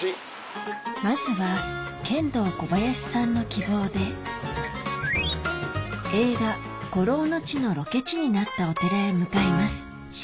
まずはケンドーコバヤシさんの希望で映画『孤狼の血』のロケ地になったお寺へ向かいます